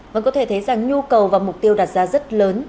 vâng có thể thấy rằng nhu cầu và mục tiêu đặt ra rất lớn